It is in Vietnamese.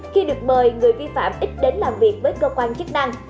khi được mời người vi phạm ít đến làm việc với cơ quan chức năng